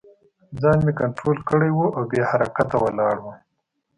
ځان مې کنترول کړی و او بې حرکته ولاړ وم